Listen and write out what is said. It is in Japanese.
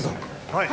はい。